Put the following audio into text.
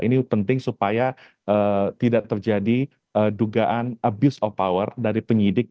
ini penting supaya tidak terjadi dugaan abuse of power dari penyidik